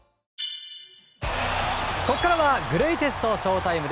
ここからはグレイテストＳＨＯ‐ＴＩＭＥ。